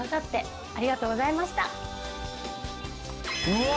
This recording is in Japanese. うわ！